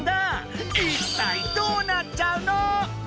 いったいどうなっちゃうの⁉